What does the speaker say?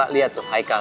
lihat tuh haikul